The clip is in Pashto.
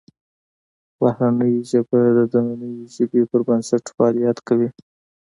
بهرنۍ ژبه د دنننۍ ژبې پر بنسټ فعالیت کوي